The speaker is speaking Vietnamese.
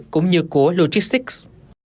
cũng như của logistics